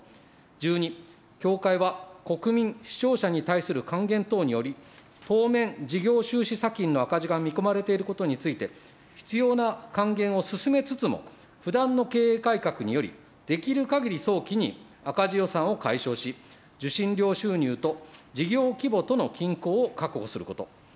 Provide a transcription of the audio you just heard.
１２、協会は国民、視聴者に対する還元等により、当面、事業収支差金の赤字が見込まれていることについて、必要な還元を進めつつも、不断の経営改革により、できるかぎり早期に赤字予算を解消し、受信料収入と事業規模との均衡を確保すること。